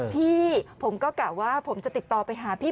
พี่ผมก็กะว่าผมจะติดต่อไปหาพี่